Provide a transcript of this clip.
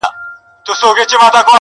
همېشه به په غزا پسي وو تللی٫